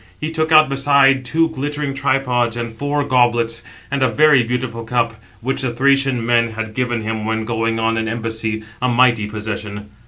He took out beside two glittering tripods, and four goblets, and a very beautiful cup, which the Thracian men had given him when going on an embassy, a mighty possession.